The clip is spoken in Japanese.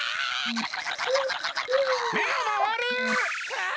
あ